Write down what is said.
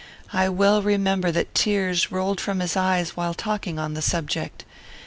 I well remember that tears rolled from his eyes while talking on the subject.